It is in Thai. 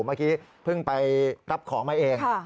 เมื่อกี้เพิ่งไปรับของมาเอง